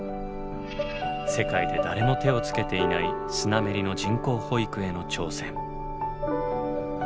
世界で誰も手をつけていないスナメリの人工哺育への挑戦。